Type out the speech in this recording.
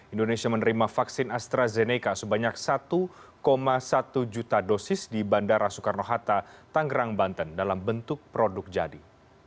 indonesia menerima vaksin astrazeneca sebanyak satu satu juta dosis di bandara soekarno hatta tanggerang banten dalam bentuk produk jadi